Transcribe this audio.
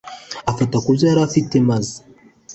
Afata ku byo yari afite maze